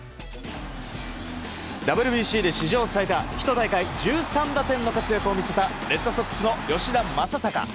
ＷＢＣで史上最多１大会１３打点の活躍を見せたレッドソックスの吉田正尚。